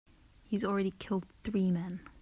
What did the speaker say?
He's already killed three men.